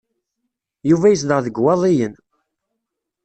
Yuba yezdeɣ deg Iwaḍiyen.